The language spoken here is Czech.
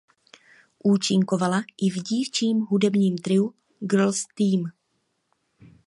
Účinkovala i v dívčím hudebním triu Girls Team.